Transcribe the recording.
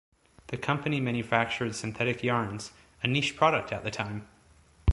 The company manufactured synthetic yarns, a niche product at the time.